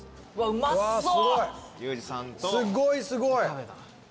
うまそう。